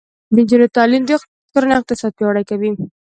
د نجونو تعلیم د کورنۍ اقتصاد پیاوړی کوي.